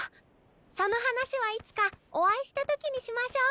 その話はいつかお会いした時にしましょう。